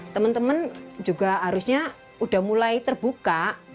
teman teman juga harusnya sudah mulai terbuka